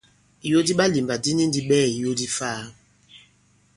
Ìyo di ɓalìmbà di ni ndi ɓɛɛ ìyo di ifaa.